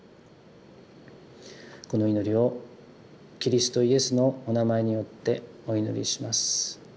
この祈りをキリスト・イエスのお名前によってお祈りします。